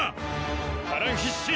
波乱必死！